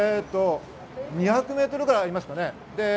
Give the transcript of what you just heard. ２００メートルぐらいありますかね。